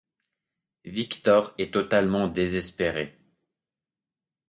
Victor est totalement désespéré.